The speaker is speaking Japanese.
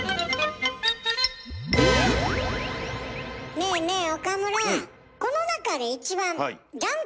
ねえねえ岡村。